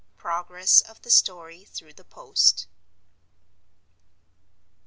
PROGRESS OF THE STORY THROUGH THE POST.